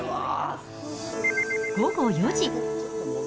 午後４時。